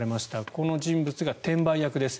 この人物が転売役です。